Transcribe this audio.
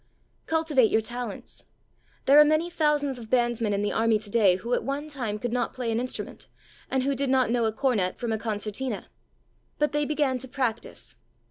Cultivate your talents. There are many thousands of bandsmen in The Army to day who at one time could not play an instrument, and who did not know a cornet from a concertina. But they began to practise.